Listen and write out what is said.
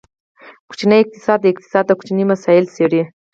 کوچنی اقتصاد، د اقتصاد کوچني مسایل څیړي.